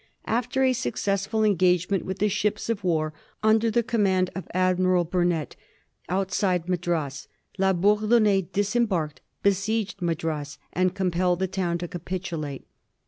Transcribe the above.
After a successful engagement with the ships of war under the command of Admiral Burnett, outside Madras, La Bourdonnais disembarked, besieged Madras, and compelled the town to capitulate.